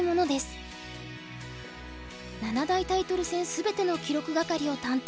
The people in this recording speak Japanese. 七大タイトル戦全ての記録係を担当。